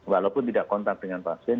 walaupun tidak kontak dengan pasien